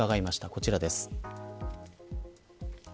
こちらです。